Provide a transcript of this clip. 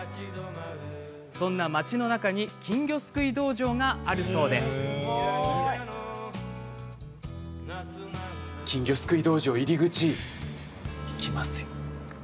そんな町の中に金魚すくい道場があるそうで金魚すくい道場入り口行きますよ。